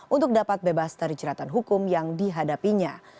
untuk dapat bebas dari jeratan hukum yang dihadapinya